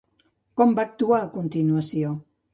Com va actuar a continuació?